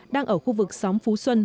đang ở khu vực xóm phú xuân